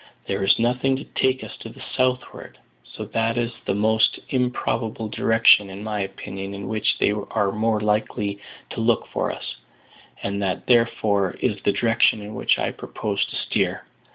There is nothing to take us to the southward, so that is the most improbable direction, in my opinion, in which they are likely to look for us; and that, therefore, is the direction in which I propose to steer.